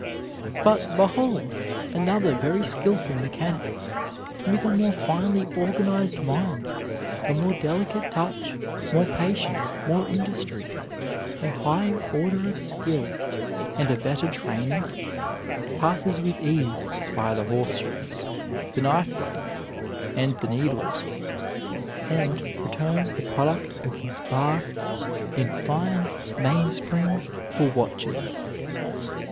But, behold! another very skilful mechanic, with a more finely organized mind, a more delicate touch, more patience, more industry, a higher order of skill, and a better training, passes with ease by the horse shoes, the knife blades, and the needles, and returns the product of his bar in fine mainsprings for watches.